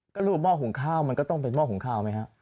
ก็รูปหม้อหุงข้าวมันก็ต้องเป็นหม้อหุงข้าวไหมฮะ